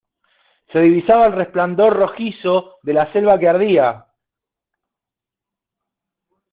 se divisaba el resplandor rojizo de la selva que ardía.